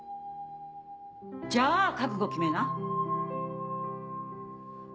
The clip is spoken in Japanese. じゃあ覚悟決めな。